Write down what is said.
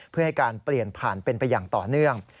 เพื่อให้การเปลี่ยนผ่านเป็นไปอย่างต่อเนื่อง